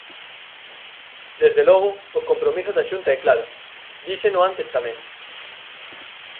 Desde logo, o compromiso da Xunta é claro, díxeno antes tamén.